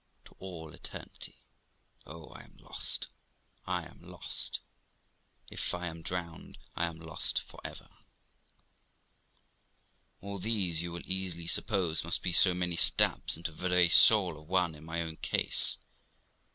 to all eternity! Oh! I am lost! I am lost! If I am drowned, I am lost for ever !' All these, you will easily suppose, must be so many stabs into the very soul of one in my own case.